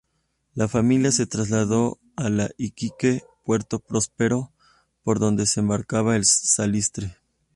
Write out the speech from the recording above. La familia se trasladó a Iquique, puerto próspero por donde se embarcaba el salitre.